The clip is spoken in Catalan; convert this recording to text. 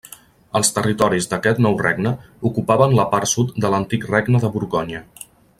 Els territoris d'aquest nou regne ocupaven la part sud de l'antic Regne de Borgonya.